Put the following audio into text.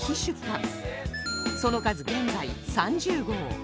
その数現在３０号